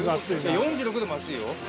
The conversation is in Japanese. ４６度も熱いよ。